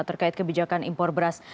terkait kebijakan impor beras